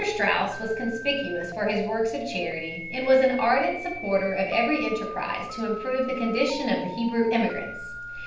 Straus was conspicuous for his works of charity and was an ardent supporter of every enterprise to improve the condition of the Hebrew immigrants.